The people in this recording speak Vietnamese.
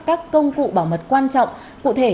các công cụ bảo mật quan trọng cụ thể